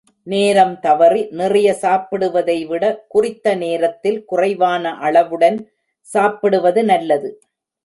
நேரம் தவறி நிறைய சாப்பிடுவதைவிட குறித்த நேரத்தில் குறைவான அளவுடன் சாப்பிடுவது நல்லது.